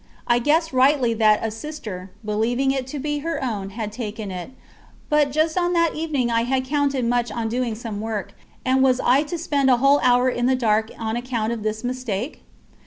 I guessed rightly that a Sister, believing it to be her own, had taken it; but just on that evening I had counted much on doing some work, and was I to spend a whole hour in the dark on account of this mistake?